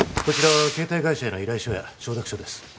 こちらは携帯会社への依頼書や承諾書です